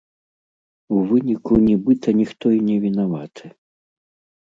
У выніку, нібыта, ніхто і не вінаваты.